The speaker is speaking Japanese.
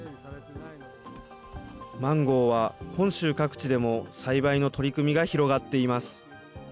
マンゴーは、本州各地でも栽培の取り組みが広がっています。